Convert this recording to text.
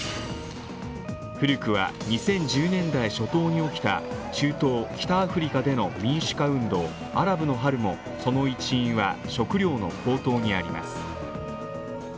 古くは２０１０年代初頭に起きた中東・北アフリカでの民主化運動アラブの春もその一因は食料の高騰にあります。